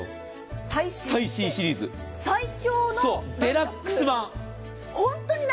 最新シリーズデラックス版。